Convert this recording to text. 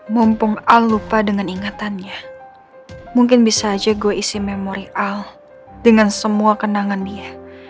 mumpung al lupa dengan ingatannya mungkin bisa aja gue isi memori al dengan semua kenangan dia